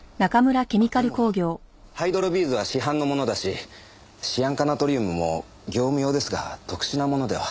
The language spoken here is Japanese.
でもハイドロビーズは市販のものだしシアン化ナトリウムも業務用ですが特殊なものでは。